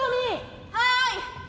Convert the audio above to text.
はい。